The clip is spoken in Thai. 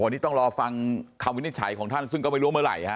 วันนี้ต้องรอฟังคำวินิจฉัยของท่านซึ่งก็ไม่รู้ว่าเมื่อไหร่ฮะ